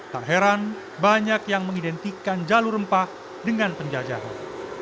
tak heran banyak yang mengidentikan jalur rempah dengan penjajahan